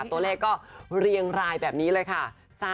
ตัวเลขก็เรียงรายแบบนี้เลยค่ะ